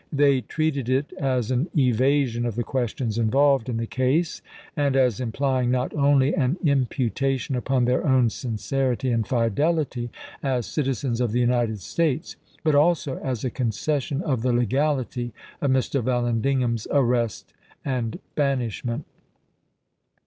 They treated it as an evasion of the questions involved in the case, and as implying not only an imputation upon their own sincerity and fidelity as citizens of the United States, but "cySo^1 also as a concession of the legality of Mr. Vallan 1863? pia807. digham's arrest and banishment.